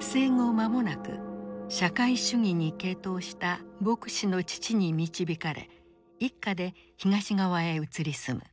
生後間もなく社会主義に傾倒した牧師の父に導かれ一家で東側へ移り住む。